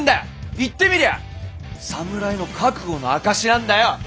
言ってみりゃ侍の覚悟の証しなんだよ！